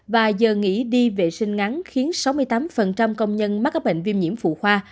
và giờ nghỉ đi vệ sinh ngắn khiến sáu mươi tám công nhân mắc các bệnh viêm nhiễm phụ khoa